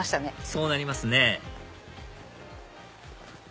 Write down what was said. そうなりますね